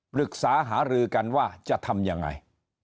ปรึกษาหารือกันว่าจะทำยังไง